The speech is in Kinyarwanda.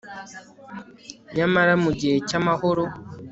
Nyamara mu gihe cyamahoro